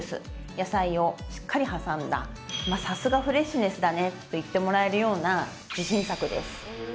野菜をしっかり挟んだ「さすがフレッシュネスだね」と言ってもらえるような自信作です